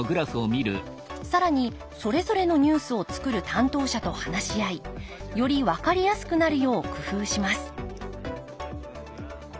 更にそれぞれのニュースを作る担当者と話し合いより分かりやすくなるよう工夫します